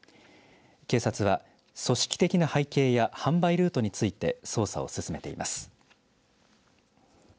警察は組織的な背景や販売ルートについて捜査を進めています。